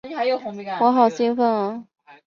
我好兴奋啊！